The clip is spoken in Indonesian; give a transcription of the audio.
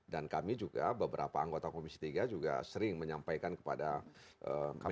dan kami juga beberapa anggota komisi tiga juga sering menyampaikan kepada media